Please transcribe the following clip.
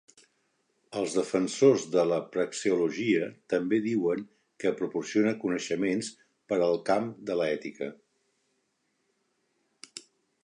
Els defensors de la praxeologia també diuen que proporciona coneixements per al camp de l'ètica.